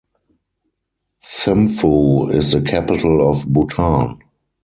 Thimphu is the capital of Bhutan.